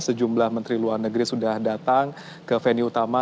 sejumlah menteri luar negeri sudah datang ke venue utama